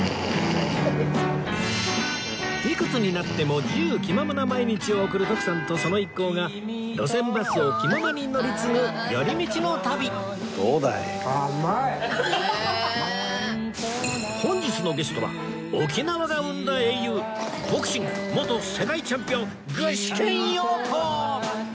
いくつになっても自由気ままな毎日を送る徳さんとその一行が路線バスを気ままに乗り継ぐ寄り道の旅本日のゲストは沖縄が生んだ英雄ボクシング元世界チャンピオン具志堅用高！